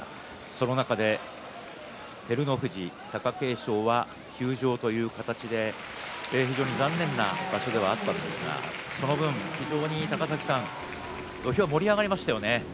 その中で照ノ富士、貴景勝は休場という形で非常に残念な場所ではあったんですがその分、非常に、高崎さん土俵は盛り上がりましたよね。